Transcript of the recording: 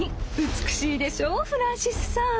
美しいでしょうフランシスさん。